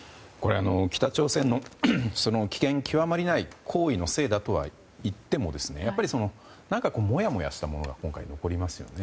北朝鮮の危険極まりない行為のせいだとは言ってもやっぱり、もやもやしたものが今回残りますよね。